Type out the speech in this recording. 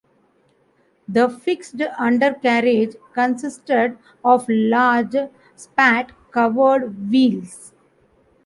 The fixed undercarriage consisted of large, spat-covered wheels.